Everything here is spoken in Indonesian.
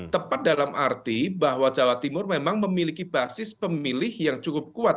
tepat dalam arti bahwa jawa timur memang memiliki basis pemilih yang cukup kuat